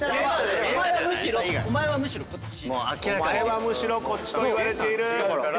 「お前はむしろこっち」と言われている！